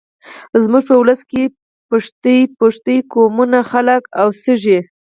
زموږ په ولس کې پښتۍ پښتۍ قومونه خلک اوسېږيږ